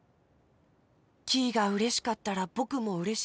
キイがうれしかったらぼくもうれしい。